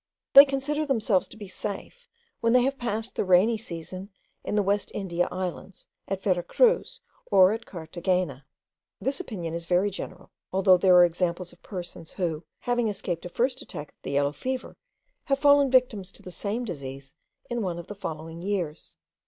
They consider themselves to be safe, when they have passed the rainy season in the West India islands, at Vera Cruz, or at Carthagena. This opinion is very general, although there are examples of persons, who, having escaped a first attack of the yellow fever, have fallen victims to the same disease in one of the following years.